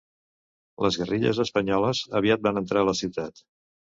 Les guerrilles espanyoles aviat van entrar a la ciutat.